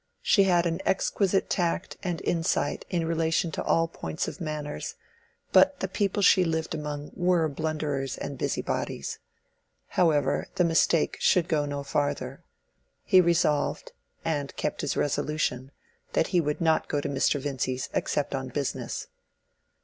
She had an exquisite tact and insight in relation to all points of manners; but the people she lived among were blunderers and busybodies. However, the mistake should go no farther. He resolved—and kept his resolution—that he would not go to Mr. Vincy's except on business.